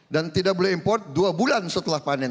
dan tidak boleh import dua bulan setelah panen